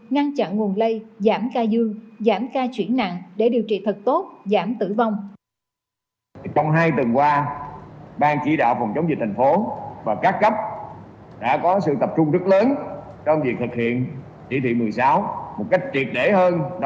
ngăn chặn nguồn lây giảm ca dương giảm ca chuyển nặng để điều trị thật tốt